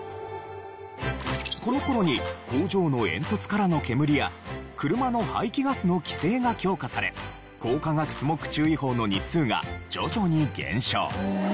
この頃に工場の煙突からの煙や車の排気ガスの規制が強化され光化学スモッグ注意報の日数が徐々に減少。